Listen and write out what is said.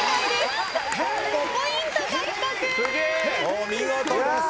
お見事です！